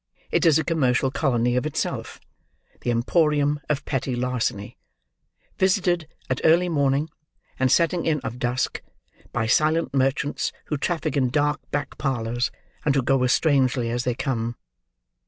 It is a commercial colony of itself: the emporium of petty larceny: visited at early morning, and setting in of dusk, by silent merchants, who traffic in dark back parlours, and who go as strangely as they come.